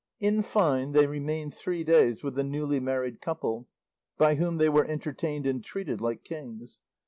In fine, they remained three days with the newly married couple, by whom they were entertained and treated like kings.